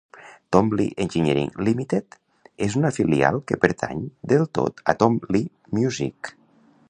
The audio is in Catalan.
Tom Lee Engineering Limited és una filial que pertany del tot a Tom Lee Music.